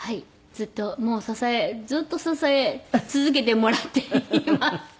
ずっと支えずっと支え続けてもらっています。